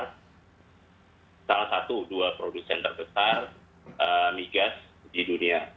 salah satu dua produsen terbesar migas di dunia